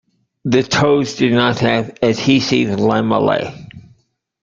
The toes do not have adhesive lamellae.